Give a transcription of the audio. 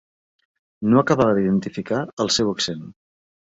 No acabava d'identificar el seu accent.